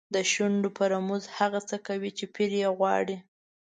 د شونډو په رموز هغه څه کوي چې پیر یې غواړي.